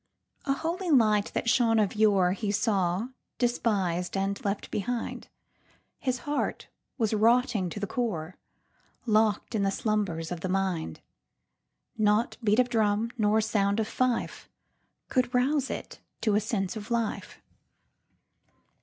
A holy light that shone of yoreHe saw, despis'd, and left behind:His heart was rotting to the coreLock'd in the slumbers of the mind:Not beat of drum, nor sound of fife, Could rouse it to a sense of life.